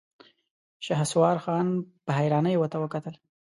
شهسوار خان په حيرانۍ ورته کتل.